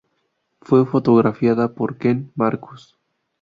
Fue fotografiada por Ken Marcus.